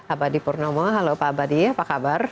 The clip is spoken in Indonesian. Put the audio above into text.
abadi purnomo halo pak abadi apa kabar